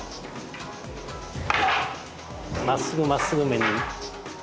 まっすぐまっすぐ面に。